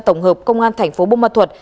tổng hợp công an thành phố bông mật thuật